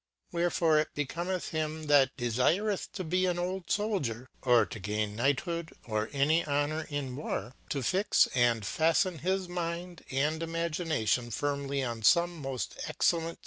Wherefore it becomethhim that defireih to be an old Souldietjorto gain Knight hood or any honour in war, to fix and faften his mindc and Imadnation firmly upon fome moil excellent ftouc Occult Thihfophy.